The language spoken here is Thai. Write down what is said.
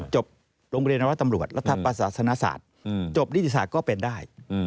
จบโรงเรียนนวัตตำรวจรัฐประสาสนศาสตร์จบนิติศาสตร์ก็เป็นได้